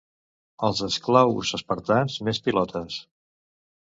Els esclaus espartans més pilotes.